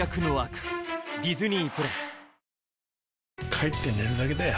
帰って寝るだけだよ